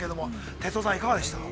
哲夫さん、いかがでした？